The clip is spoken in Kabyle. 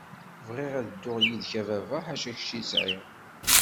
Bɣiɣ ad dduɣ yid-k a baba, ḥaca kečč i sɛiɣ.